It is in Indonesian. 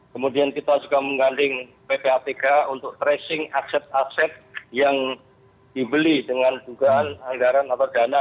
kemudian kita juga mengganding ppatk untuk tracing aset aset yang dibeli dengan dugaan anggaran atau dana